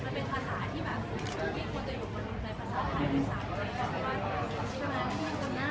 เพราะว่าใช่ไหมมันเป็นภาษาที่แบบมันก็จริงจริงอะไรอย่างนี้